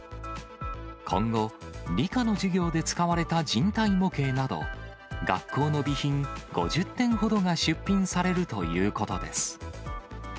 今後、理科の授業で使われた人体模型など、学校の備品５０点ほどが出品されるということです。